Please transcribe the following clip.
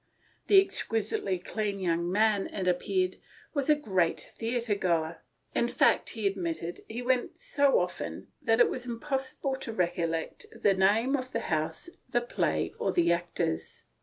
The exquisitely clean young man, it trans 08 THE STORY OF A MODERN WOMAN. pired, was a great theatre goer; in fact, he admitted that he went so often that it was impossible to recollect the name of the house, the play, or the actors.